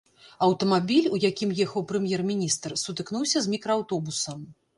Аўтамабіль, у якім ехаў прэм'ер-міністр, сутыкнуўся з мікрааўтобусам.